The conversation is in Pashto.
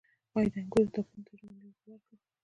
آیا د انګورو تاکونو ته ژمنۍ اوبه ورکړم؟